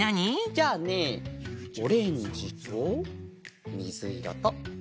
じゃあねオレンジとみずいろとみどり。